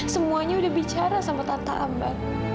semuanya udah bicara sama tante ambar